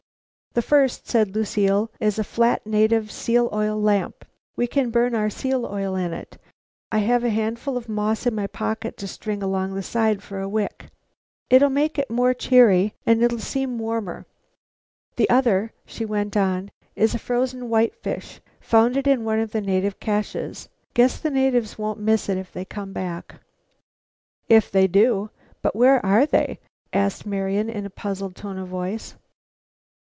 "The first," said Lucile, "is a flat, native seal oil lamp. We can burn our seal oil in it. I have a handful of moss in my pocket to string along the side for wick. It'll make it more cheery and it'll seem warmer. The other," she went on, "is a frozen whitefish; found it on one of the caches. Guess the natives won't miss it if they come back." "If they do. But where are they?" asked Marian in a puzzled tone of voice.